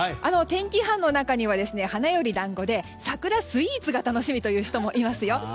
天気班の中には花より団子で桜スイーツが楽しみという人もいますよ。